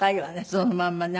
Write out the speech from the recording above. そのまんまね。